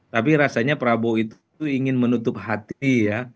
tapi rasanya prabowo itu ingin menutup hati ya